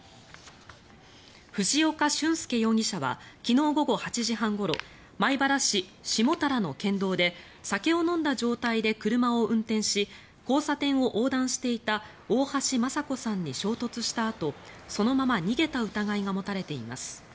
藤岡俊介容疑者は昨日午後８時半ごろ米原市下多良の県道で酒を飲んだ状態で車を運転し交差点を横断していた大橋正子さんに衝突したあとそのまま逃げた疑いが持たれています。